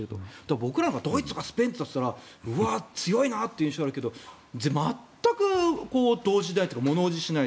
僕らはドイツ、スペインといったら強いなという印象があるけど全く動じないというか物おじしない。